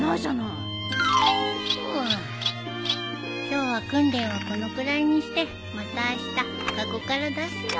今日は訓練はこのくらいにしてまたあした籠から出すよ。